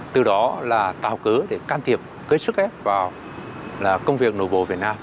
từ đó là tạo cớ để can thiệp gây sức ép vào công việc nội bộ việt nam